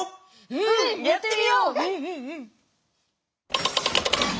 うんやってみよう！